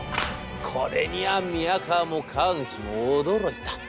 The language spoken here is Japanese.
これには宮河も川口も驚いた！